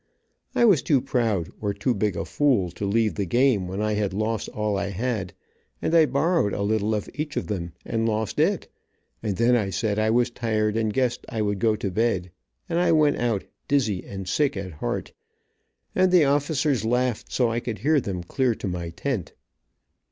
I was too proud, or too big a fool to leave the game when I had lost all I had, and I borrowed a little of each of them, and lost it, and then I said I was tired and I guessed I would go to bed, and I went out, dizzy and sick at heart, and the officers laughed so I could hear them clear to my tent.